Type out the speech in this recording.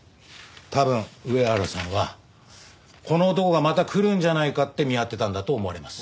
多分上原さんはこの男がまた来るんじゃないかって見張ってたんだと思われます。